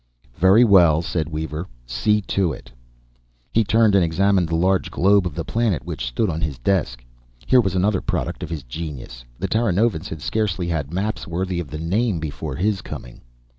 "Very well," said Weaver. "See to it." He turned and examined the large globe of the planet which stood on His desk. Here was another product of His genius; the Terranovans had scarcely had maps worthy of the name before His Coming.